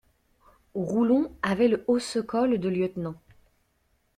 Roulon avait le hausse-col de lieutenant.